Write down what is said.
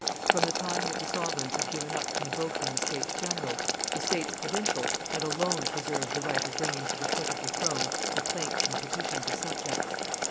From the time that the sovereigns had given up convoking the states general, the states provincial had alone preserved the right of bringing to the foot of the throne the plaints and petitions of subjects.